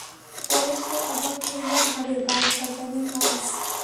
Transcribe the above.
পরে সে অবাক হইয়া ভাবে-বাঁশাবাগানে মাছ!